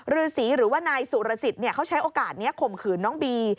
ฤษีหรือว่านายสุรสิทธิ์เขาใช้โอกาสนี้ข่มขืนน้องบี